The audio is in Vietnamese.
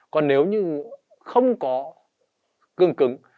còn nếu như không có cương cứng